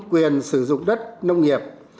quyền sử dụng đất nông nghiệp